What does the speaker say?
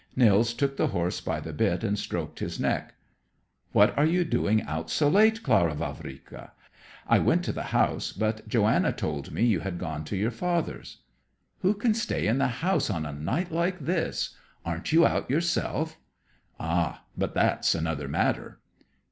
Nils took the horse by the bit and stroked his neck. "What are you doing out so late, Clara Vavrika? I went to the house, but Johanna told me you had gone to your father's." "Who can stay in the house on a night like this? Aren't you out yourself?" "Ah, but that's another matter."